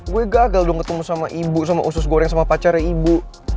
gue gagal dong ketemu sama ibu sama usus goreng sama pacarnya ibu